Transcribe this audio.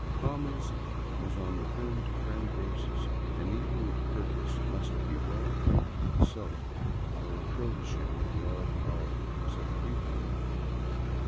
Commerce was on the friend to friend basis, and he who would purchase must be well acquainted with the seller, or a protege of the all powerful subprefect.